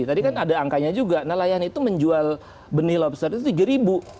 tadi kan ada angkanya juga nelayan itu menjual benih lobster itu tiga ribu